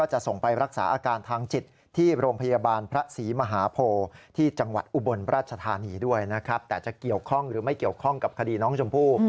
หรือไม่เกี่ยวข้องกับคดีน้องชมพู่